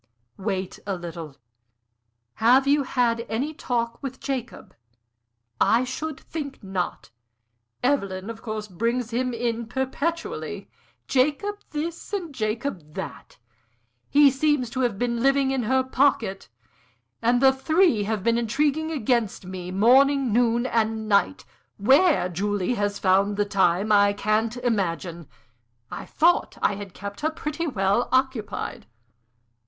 "Wait a little. Have you had any talk with Jacob?" "I should think not! Evelyn, of course, brings him in perpetually Jacob this and Jacob that. He seems to have been living in her pocket, and the three have been intriguing against me, morning, noon, and night. Where Julie has found the time I can't imagine; I thought I had kept her pretty well occupied."